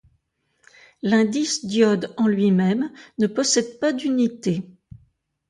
L'indice d'iode en lui-même ne possède pas d'unité.